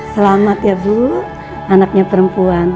selamat ya bu anaknya perempuan